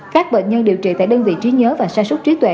các bệnh nhân điều trị tại đơn vị trí nhớ và sa sút trí tuệ